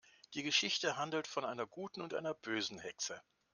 Die Geschichte handelt von einer guten und einer bösen Hexe.